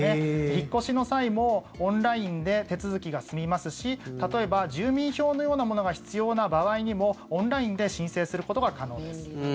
引っ越しの際もオンラインで手続きが済みますし例えば、住民票のようなものが必要な場合にもオンラインで申請することが可能です。